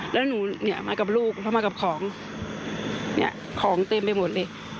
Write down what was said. แล้วหนูเนี่ยมากับลูกแล้วมากับของเนี่ยของเต็มไปหมดเลย